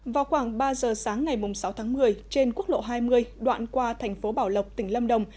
vào khoảng ba giờ sáng ngày sáu tháng một mươi trên quốc lộ hai mươi đoạn qua thành phố bảo lộc tỉnh lâm đồng